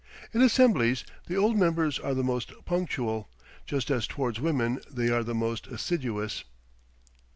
In assemblies the old members are the most punctual, just as towards women they are the most assiduous.